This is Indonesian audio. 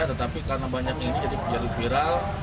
tetapi karena banyak ini jadi viral